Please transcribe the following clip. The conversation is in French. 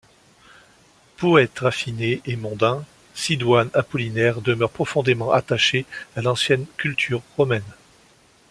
Poète raffiné et mondain, Sidoine Apollinaire demeure profondément attaché à l’ancienne culture romaine.